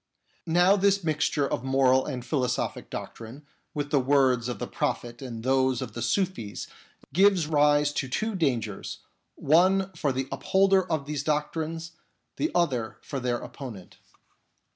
Now this mixture of moral and philosophic doctrine with the words of the Prophet and those of the Sufis gives rise to two dangers, one ior the upholder of those doctrines, the other for their opponent.